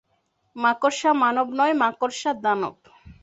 মাকড়সা-মানব নয়, মাকড়সা-দানব!